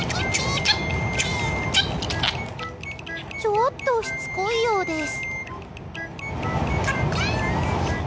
ちょっとしつこいようです。